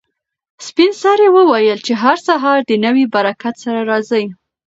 سپین سرې وویل چې هر سهار د نوي برکت سره راځي.